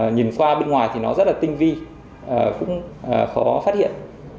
nhìn qua bên ngoài thì nó rất là tinh vi cũng khó phát hiện